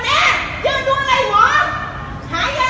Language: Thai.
มาแม่คนที่ใหญ่ที่สุดในโรงพยาบาลศรีนักษณีย์มาพูดเลย